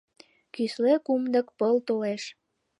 Кӱсле кумдык пыл толеш